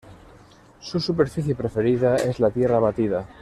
Su superficie preferida es la tierra batida.